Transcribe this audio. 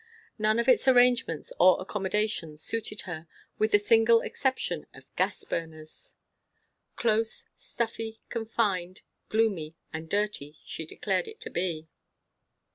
None of its arrangements or accommodations suited her; with the single exception of gas burners. Close, stuffy, confined, gloomy, and dirty, she declared it to be.